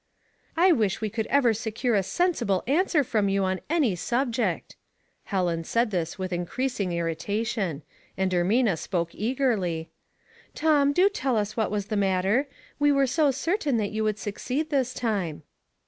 *' I wish we could ever secure a sensible an swer from you on any subject." Helen said this with increasing irritation, and Ermina spoke eagerly,— "Tom, do tell us what w^as the matter. We were so certain that you would succeed this time."